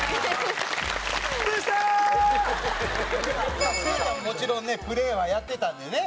蛍原：すずちゃん、もちろんねプレーは、やってたんでね。